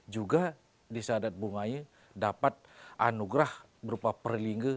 juga desa adat bungaya dapat anugerah berupa perlingga